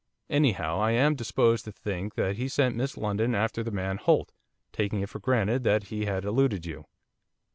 Anyhow I am disposed to think that he sent Miss Lindon after the man Holt, taking it for granted that he had eluded you.